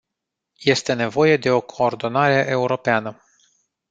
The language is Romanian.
Este nevoie de o coordonare europeană.